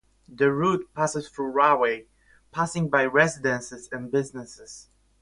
The route passes through Rahway, passing by residences and businesses.